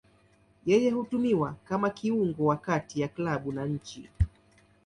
Yeye hutumiwa kama kiungo wa kati ya klabu na nchi.